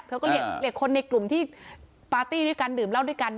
ก็เรียกคนในกลุ่มที่ปาร์ตี้ด้วยกันดื่มเหล้าด้วยกัน